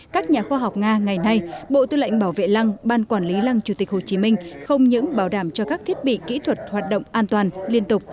các nhà khoa học nga ngày nay bộ tư lệnh bảo vệ lăng ban quản lý lăng chủ tịch hồ chí minh không những bảo đảm cho các thiết bị kỹ thuật hoạt động an toàn liên tục